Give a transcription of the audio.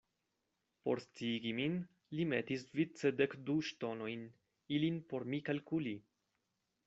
Por sciigi min, li metis vice dekdu ŝtonojn, ilin por mi kalkuli.